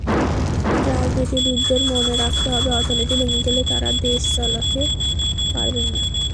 রাজনীতিবিদদের মনে রাখতে হবে, অর্থনীতি ভেঙে গেলে তাঁরা দেশ চালাতে পারবেন না।